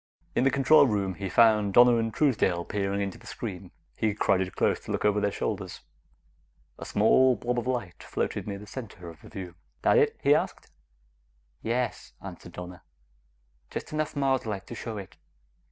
In the control room, he found Donna and Truesdale peering into the screen. He crowded close to look over their shoulders. A small blob of light floated near the center of the view. "That it?" he asked. "Yes," answered Donna. "Just enough Mars light to show it."